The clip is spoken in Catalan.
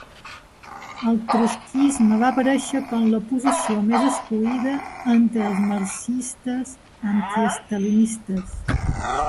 El trotskisme va aparèixer com la posició més escollida entre els marxistes antiestalinistes.